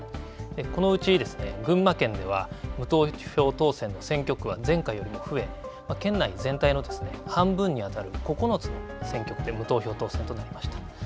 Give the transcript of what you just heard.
このうち、群馬県では、無投票当選の選挙区は前回よりも増え、県内全体の半分に当たる９つの選挙区で無投票当選となりました。